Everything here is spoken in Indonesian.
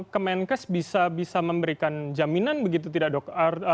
kemenkes bisa memberikan jaminan begitu tidak dok